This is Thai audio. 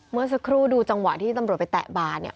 เมื่อสักครู่ดูจังหวะที่ตำรวจไปแตะบาเนี่ย